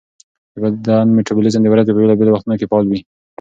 د بدن میټابولیزم د ورځې په بېلابېلو وختونو کې فعال وي.